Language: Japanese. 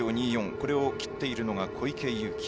これを切っているのは小池祐貴。